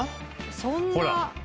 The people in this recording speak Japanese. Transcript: そんな。